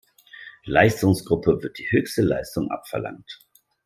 Leistungsgruppe wird die höchste Leistung abverlangt.